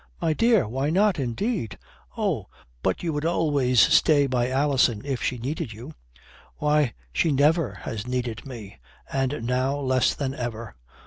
"My dear! Why not, indeed?" "Oh. But you would always stay by Alison if she needed you." "Why, she never has needed me. And now less than ever."